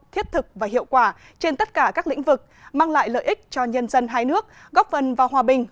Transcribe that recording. thiết thực và hiệu quả trên tất cả các lĩnh vực mang lại lợi ích cho nhân dân hai nước góp phần vào hòa bình